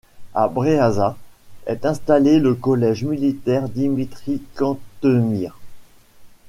À Breaza est installé le collège militaire Dimitrie-Cantemir.